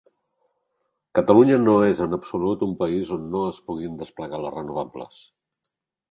Catalunya no és en absolut un país on no es puguin desplegar les renovables.